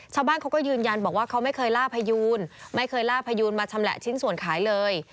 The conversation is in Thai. ชาวบ้านเขาก็ยืนยันบอกว่าเขาไม่เคยล่าพยูนไม่เคยล่าพยูนมาชำแหละชิ้นส่วนขายเลย